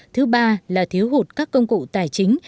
thứ ba là thiếu hụt các công cụ tài chính